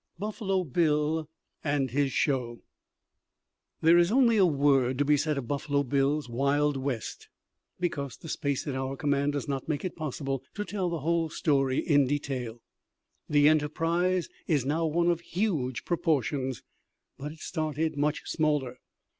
VI BUFFALO BILL AND HIS SHOW There is only a word to be said of Buffalo Bill's "Wild West," because the space at our command does not make it possible to tell the whole story in detail. The enterprise is now one of huge proportions, but it started much smaller.